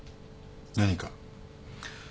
何か？